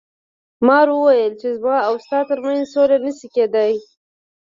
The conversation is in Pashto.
مار وویل چې زما او ستا تر منځ سوله نشي کیدی.